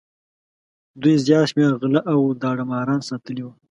دوی زیات شمېر غله او داړه ماران ساتلي وو.